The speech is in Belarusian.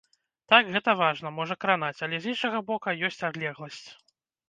Так, гэта важна, можа кранаць, але з іншага бока ёсць адлегласць.